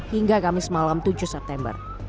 hingga kamis malam tujuh september